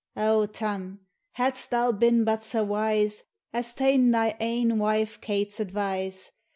O Tarn ! hadst thou been but sae wise As taen thy am wife Kate's advice